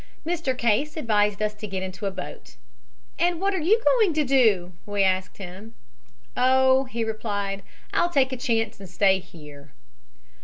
"Mr. Case advised us to get into a boat. "'And what are you going to do?' we asked him. "'Oh,' he replied, 'I'll take a chance and stay here.'